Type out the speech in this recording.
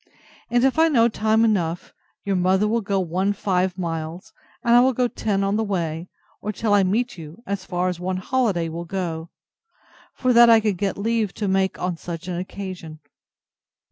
And if I know time enough, your mother will go one five miles, and I will go ten on the way, or till I meet you, as far as one holiday will go; for that I can get leave to make on such an occasion.